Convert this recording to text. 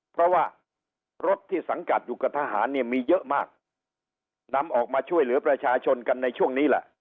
เพราะว่ารถที่สังกัดอยู่กับทหารเนี่ยมีเยอะมากนำออกมาช่วยเหลือประชาชนกันในช่วงนี้แหละ